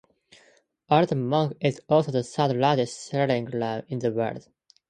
Old Monk is also the third largest selling Rum in the world.